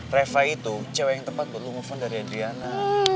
reva itu cewek yang tepat buat lo nge phone dari adriana